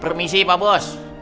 permisi pak bos